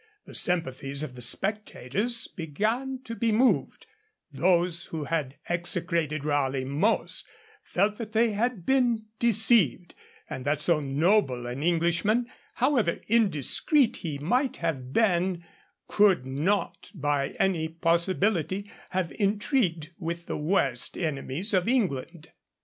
The sympathies of the spectators began to be moved; those who had execrated Raleigh most felt that they had been deceived, and that so noble an Englishman, however indiscreet he might have been, could not by any possibility have intrigued with the worst enemies of England.